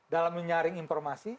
dalam menyaring informasi